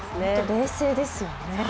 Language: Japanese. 冷静ですよね。